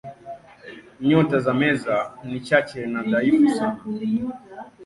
Nyota za Meza ni chache na dhaifu sana.